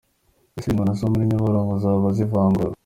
ese ingona zo muri Nyabarongo zaba zivangura ?